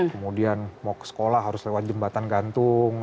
kemudian mau ke sekolah harus lewat jembatan gantung